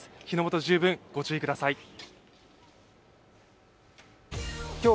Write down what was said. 火の元、十分ご注意ください。